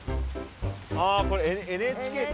ああこれＮＨＫか。